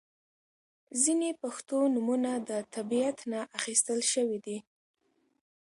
• ځینې پښتو نومونه د طبیعت نه اخستل شوي دي.